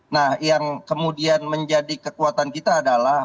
nah yang kemudian menjadi kekuatan kita adalah